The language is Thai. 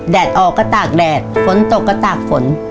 ออกก็ตากแดดฝนตกก็ตากฝน